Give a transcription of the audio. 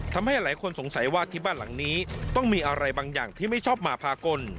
ทำให้หลายคนสงสัยว่าที่บ้านหลังนี้ต้องมีอะไรบางอย่างที่ไม่ชอบมาพากล